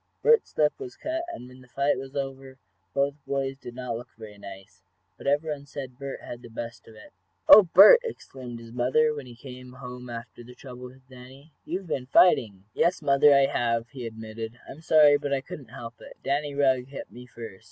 Bert's lip was cut, and when the fight was over both boys did not look very nice. But everyone said Bert had the best of it. "Oh, Bert!" exclaimed his mother, when he came home after the trouble with Danny. "You've been fighting!" "Yes, mother, I have," he admitted. "I'm sorry, but I couldn't help it. Danny Rugg hit me first.